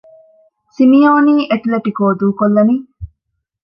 ސިމިއޯނީ އެތުލެޓިކޯ ދޫކޮށްލަނީ؟